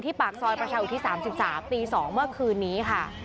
ปากซอยประชาอุทิศ๓๓ตี๒เมื่อคืนนี้ค่ะ